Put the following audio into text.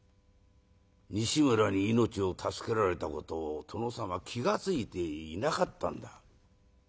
西村に命を助けられたことを殿様気が付いていなかったんだ。